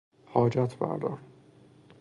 حاجت بردار